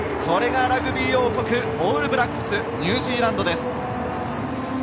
これがラグビー王国、オールブラックス・ニュージーランドです。